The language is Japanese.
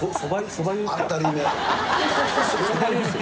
そば湯ですよ？